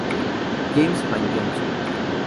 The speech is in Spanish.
James Vann Johnston.